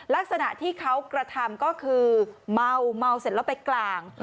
ลักษณะที่เขากระทำก็คือเมาเมาเสร็จแล้วไปกลาง